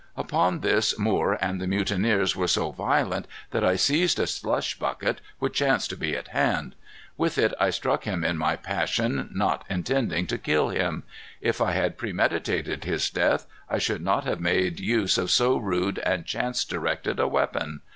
"Upon this Moore and the mutineers were so violent that I seized a slush bucket, which chanced to be at hand. With it I struck him in my passion, not intending to kill him. If I had premeditated his death, I should not have made use of so rude and chance directed a weapon.